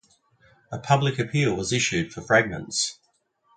A public appeal was issued for fragments.